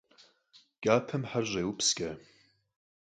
Кӏапэм хьэр щӏеупскӏэ.